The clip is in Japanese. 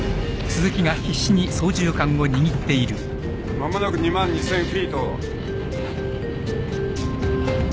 間もなく２万２，０００フィート。